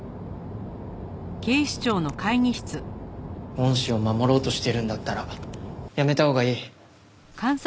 恩師を守ろうとしてるんだったらやめたほうがいい。